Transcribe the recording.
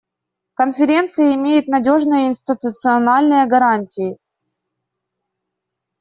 Конференция имеет надежные институциональные гарантии.